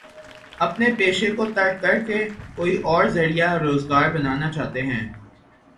اپنے پیشے کو ترک کر کے کوئی اور ذریعہ روزگار بنانا چاہتے ہیں؟